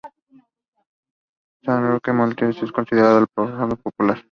San Roque de Montpellier es considerado el patrono popular.